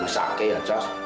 masak ke ya cos